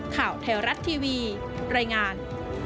ข่าวไทยรัฐทีวีรายงาน